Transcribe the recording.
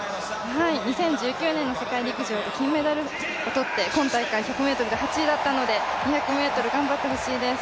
２０１９年世界陸上で金メダルを取って今大会１００ｍで８位だったので２００ｍ、頑張ってほしいです。